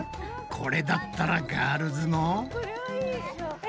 これだったらガールズも。